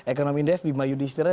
ekonomi dev bima yudi istirahat